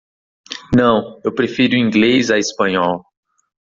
Não, eu prefiro Inglês à Espanhol.